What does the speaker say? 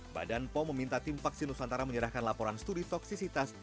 badan pom meminta tim vaksin nusantara menyerahkan laporan studi toksisitas